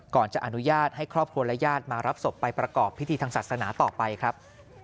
ก่อนจะอนุญาตให้ครอบครัวและญาติมารับศพไปประกอบพิธีทางศาสนาต่อไปครับ